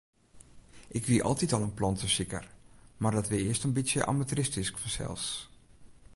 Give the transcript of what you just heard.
Ik wie altyd al in plantesiker, mar dat wie earst in bytsje amateuristysk fansels.